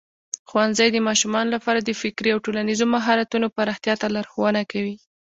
ښوونځی د ماشومانو لپاره د فکري او ټولنیزو مهارتونو پراختیا ته لارښوونه کوي.